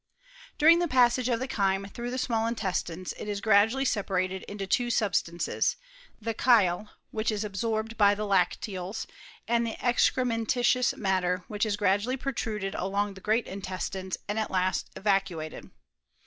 During the passage of the chyme through the small intestines it is gradually separated into two substances; the chyle, which is absorbed by the lacteals, and the excrementitlous matter, which Is gradually protruded along the great intestines, and at last eva.cuated.